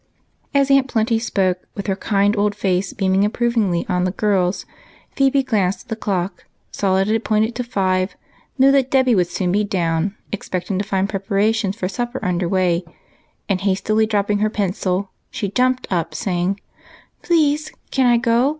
As Aunt Plenty spoke, with her kind old face beam ing approvingly upon the girls, Phebe glanced at the clock, saw that it pointed to five, knew that Dolly would soon be down, expecting to find preparations for supper under way, and, hastily dropping her pencil, she jumped up, saying, — SOMETHING TO DO. 259 " Please, can I go